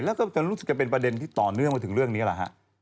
แล้วก็จะรู้สึกจะเป็นประเด็นที่ต่อเนื่องมาถึงเรื่องนี้แหละฮะ